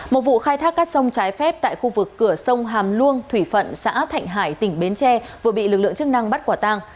một vụ khai thác cát sông trái phép tại khu vực cửa sông hàm luông thủy phận xã thạnh hải tỉnh bến tre vừa bị lực lượng chức năng bắt quả tang